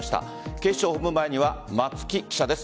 警視庁本部前には松木記者です。